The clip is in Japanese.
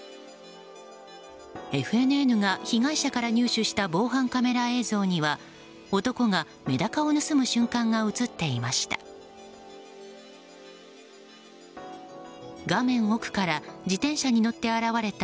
ＦＮＮが被害者から入手した防犯カメラ映像には男がメダカを盗む瞬間が映っていました。